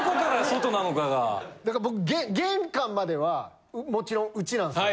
だから僕玄関まではもちろんうちなんですよ。